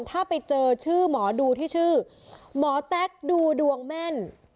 ถ้าไปเจอชื่อหมอดูที่ชื่อหมอแต๊กดูดวงแม่น